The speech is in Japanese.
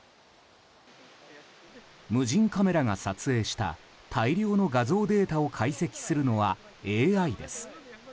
無人カメラが撮影した大量の画像データを解析するのはＡＩです。